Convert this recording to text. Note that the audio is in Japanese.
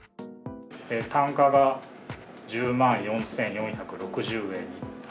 単価が１０万４４６０円。